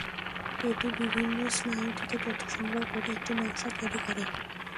এটি বিভিন্ন স্নায়ু থেকে তথ্য সংগ্রহ করে একটি নকশা তৈরি করে।